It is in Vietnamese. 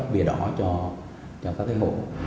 bìa đỏ cho các hộ